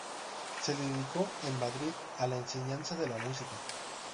Se dedicó en Madrid a la enseñanza de la música.